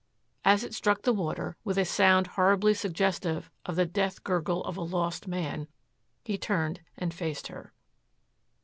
As it struck the water with a sound horribly suggestive of the death gurgle of a lost man, he turned and faced her.